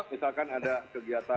misalkan ada kegiatan